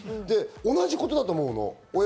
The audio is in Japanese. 同じことだと思うの。